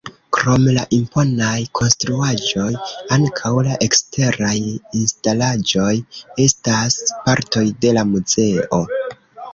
Krom la imponaj konstruaĵoj ankaŭ la eksteraj instalaĵoj estas partoj de la muzeo.